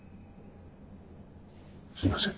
すいません。